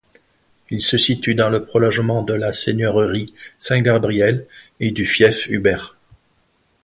Il se situe dans le prolongement de la seigneurie Saint-Gabriel et du fief Hubert.